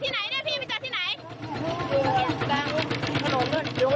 คุณเรียนบ้านขุางตรุ้ง